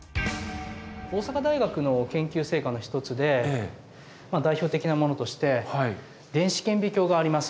大阪大学の研究成果の一つで代表的なものとして電子顕微鏡があります。